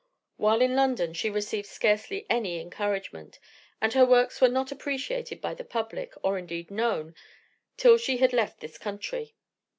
While in London, she received scarcely any encouragement; and her works were not appreciated by the public, or indeed known, till she had left this country.